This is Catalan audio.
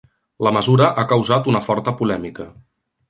La mesura ha causat una forta polèmica.